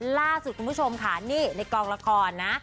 ล่าสุดคุณผู้ชมค่ะนี่ในกองละครนะ